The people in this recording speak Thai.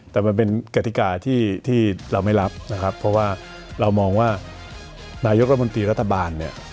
แต่มันเป็นกติกาที่เราไม่รับนะครับเพราะว่าเรามองว่านายกรัฐมนตรีรัฐบาลเนี่ย